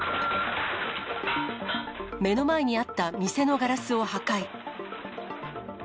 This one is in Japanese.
目の前にあった店のガラスを破壊。